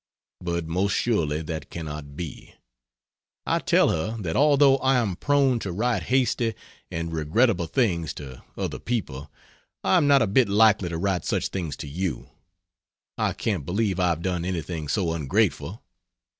But most surely that cannot be. I tell her that although I am prone to write hasty and regrettable things to other people, I am not a bit likely to write such things to you. I can't believe I have done anything so ungrateful.